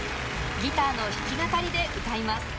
ギターの弾き語りで歌います。